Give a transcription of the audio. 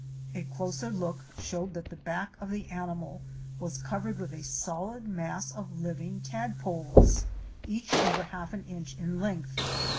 A closer look showed that the back of the animal was covered with a solid mass of living tadpoles, each over half an inch in length.